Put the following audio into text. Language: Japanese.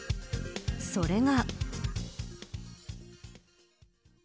それが。